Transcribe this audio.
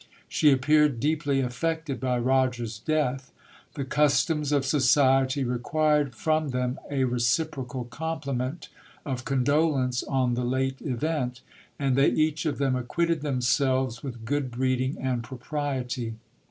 She appeared deeply affected by Roger's death. The customs of society required from them a reciprocal compliment of condolence on the late event ; and they each of them acquitted themselves with good breeding and propriety.